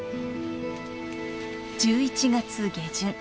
１１月下旬。